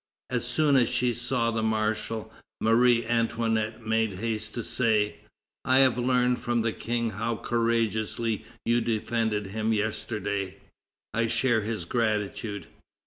As soon as she saw the marshal, Marie Antoinette made haste to say: "I have learned from the King how courageously you defended him yesterday. I share his gratitude."